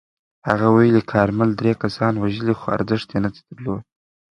هغه ویلي، کارمل درې کسان وژلي خو ارزښت نه یې درلود.